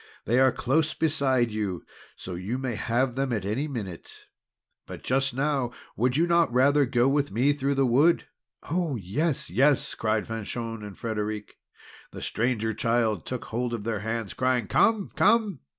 They are close beside you, so you may have them at any minute. But just now would you not rather go with me through the wood?" "Oh, yes! yes!" cried Fanchon and Frederic. The Stranger Child took hold of their hands, crying: "Come! Come!"